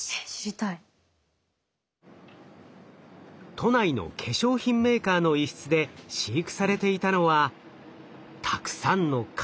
都内の化粧品メーカーの一室で飼育されていたのはたくさんの蚊！